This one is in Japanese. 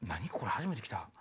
初めて来た。